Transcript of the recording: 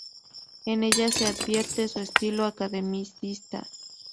En ella se advierte su estilo academicista.